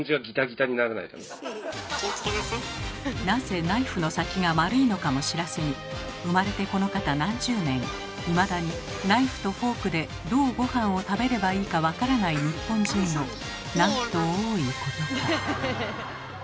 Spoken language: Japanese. なぜナイフの先が丸いのかも知らずに生まれてこのかた何十年いまだにナイフとフォークでどうごはんを食べればいいか分からない日本人のなんと多いことか。